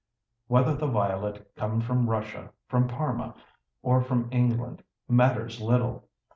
Whether the violet come from Russia, from Parma, or from England, matters little.